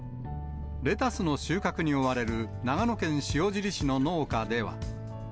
レタスの収穫に追われる、長野県塩尻市の農家では。